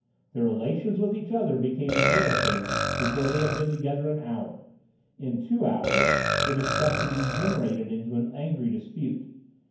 Their relations with each other became embarrassing before they had been together an hour. In two hours the discussion degenerated into an angry dispute.